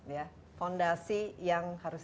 ya fondasi yang harus